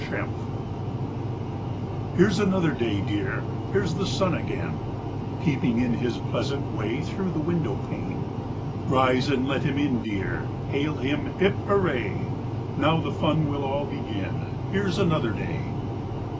GLAD DAY Here's another day, dear, Here's the sun again Peeping in his pleasant way Through the window pane. Rise and let him in, dear, Hail him "hip hurray!" Now the fun will all begin. Here's another day!